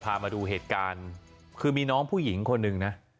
พามาดูเหตุการณ์คือมีน้องผู้หญิงคนหนึ่งนะ